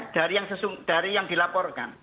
dari yang dilaporkan